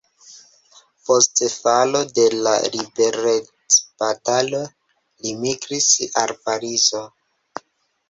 Post falo de la liberecbatalo li migris al Parizo.